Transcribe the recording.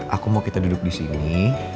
aku mau kita duduk disini